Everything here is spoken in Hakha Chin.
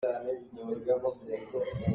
Tuni na thawh khawh in zei dah na tuah?